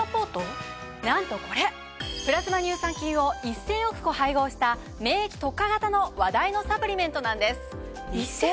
なんとこれプラズマ乳酸菌を１０００億個配合した免疫特化型の話題のサプリメントなんです。